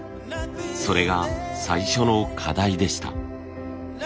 それが最初の課題でした。